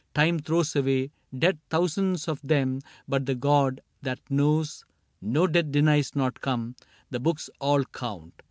Time throws away Dead thousands of them, but the God that knows No death denies not one : the books all count.